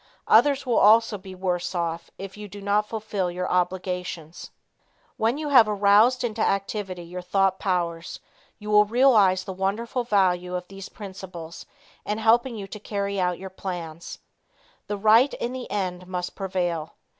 Others will also be worse off if you do not fulfil your obligations. When you have aroused into activity your thought powers you will realize the wonderful value of these principles in helping you to carry out your plans. The right in the end must prevail.